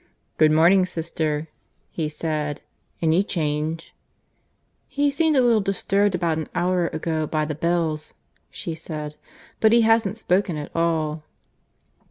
"Good morning, sister," he said. "Any change?" "He seemed a little disturbed about an hour ago by the bells," she said. "But he hasn't spoken at all."